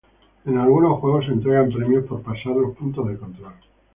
En algunos juegos, se entregan premios por pasar los puntos de control.